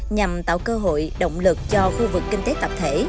nhằm tạo cơ hội động lực cho khu vực kinh tế tập thể